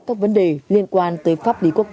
các vấn đề liên quan tới pháp lý quốc tế